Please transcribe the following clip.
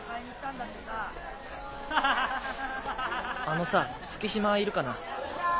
あのさ月島いるかな？